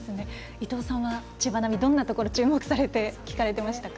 伊藤さんは「ちばナビ」どんなところに注目されて聞かれてましたか。